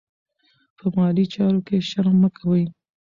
په مالي چارو کې شرم مه کوئ.